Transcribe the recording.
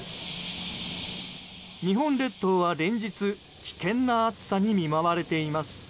日本列島は連日危険な暑さに見舞われています。